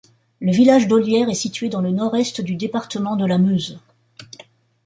Le village d'Ollières est situé dans le nord-est du département de la Meuse.